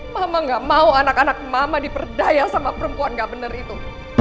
mama gak mau anak anak mama diperdaya sama perempuan gak bener itu